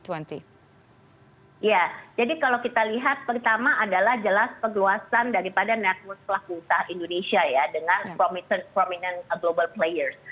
ya jadi kalau kita lihat pertama adalah jelas perluasan daripada network pelaku usaha indonesia ya dengan prominent global player